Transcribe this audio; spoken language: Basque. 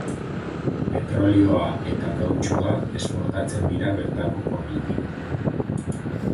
Petrolioa eta kautxua esportatzen dira bertako portutik.